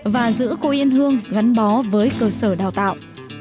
và giữ cô yên hương gắn bó với cơ sở đào tạo